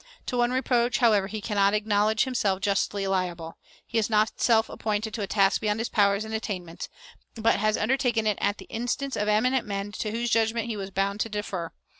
To one reproach, however, he cannot acknowledge himself justly liable: he is not self appointed to a task beyond his powers and attainments, but has undertaken it at the instance of eminent men to whose judgment he was bound to defer.